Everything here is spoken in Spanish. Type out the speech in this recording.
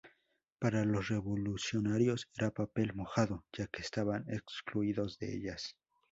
Para los revolucionarios era papel mojado ya que estaban excluidos de ellas.